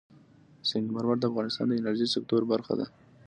سنگ مرمر د افغانستان د انرژۍ سکتور برخه ده.